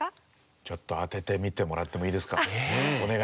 ちょっと当ててみてもらってもいいですか？